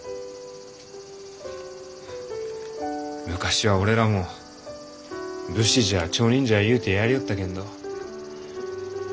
昔は俺らも武士じゃ町人じゃゆうてやりよったけんど。